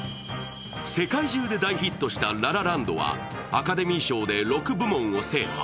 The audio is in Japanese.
世界中で大ヒットした「ラ・ラ・ランド」はアカデミー賞で６部門を制覇。